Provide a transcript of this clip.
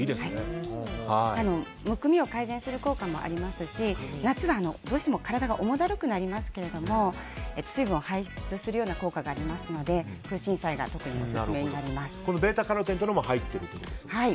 むくみを改善する効果もありますし夏はどうしても体が重だるくなりますけど水分を排出するような効果がありますのでβ‐カロテンも入っているということですね。